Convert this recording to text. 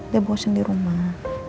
dia bosan di rumah